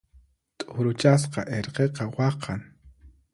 T'uruchasqa irqiqa waqan.